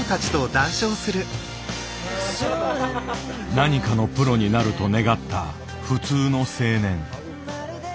何かのプロになると願った普通の青年。